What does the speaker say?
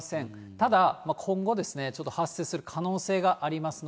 ただ今後、ちょっと発生する可能性がありますので。